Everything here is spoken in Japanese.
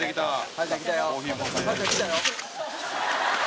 「はるちゃん来たよ」